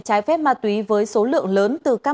trái phép ma túy với số lượng lớn từ các bản thân